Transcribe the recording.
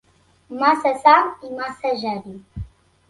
Massa sang i massa geni.